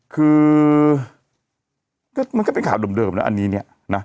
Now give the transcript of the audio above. คือมันก็เป็นข่าวเดิมนะอันนี้เนี่ยนะ